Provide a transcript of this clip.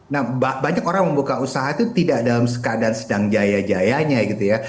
nah banyak orang membuka usaha itu tidak dalam keadaan sedang jaya jayanya gitu ya